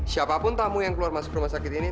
siapapun tamu yang keluar masuk rumah sakit ini